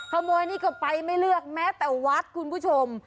ขโมยนี่ก็ไปไม่เลือกแม้แต่วัดคุณผู้ชม